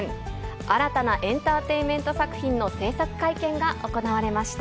新たなエンターテインメント作品の制作会見が行われました。